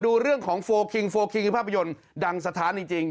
ดูเรื่องของโฟลคิงโฟลคิงคือภาพยนตร์ดังสถานจริง